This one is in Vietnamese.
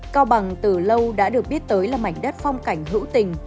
cao bằng từ lâu đã được biết tới là mảnh đất phong cảnh hữu tình